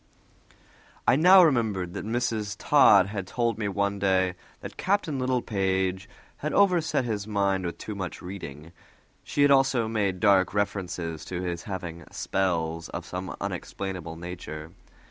I now remembered that Mrs. Todd had told me one day that Captain Littlepage had overset his mind with too much reading; she had also made dark reference to his having "spells" of some unexplainable nature.